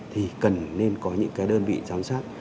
thì cần nên có những cái đơn vị giám sát